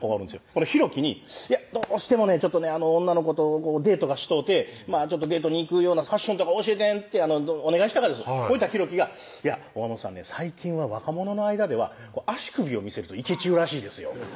このひろきに「どうしてもね女の子とデートがしとうて」「デートに行くようなファッションとか教えて」ってお願いしたがですほいたらひろきが「岡本さんね最近は若者の間では足首を見せるといけちゅうらしいですよ」